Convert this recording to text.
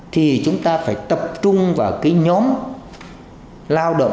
thì chúng ta phải tập trung vào cái nhóm lao động